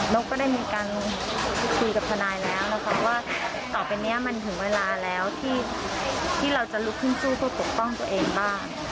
แล้วก็ได้นิดกันพหาคุยกับภาพนายแล้วนะคะว่าต่อไปนี้มันถึงเวลาแล้วที่รุขขึ้นสู้กดปกป้องตัวเองบ้าง